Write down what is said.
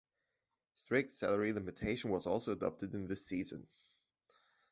Strict salary limitation was also adopted in this season.